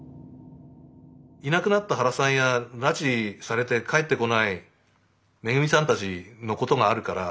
いなくなった原さんや拉致されて帰ってこないめぐみさんたちのことがあるから。